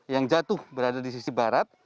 yang jatuh berada di sisi barat